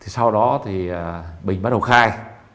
sau đó thì bình bắt đầu khai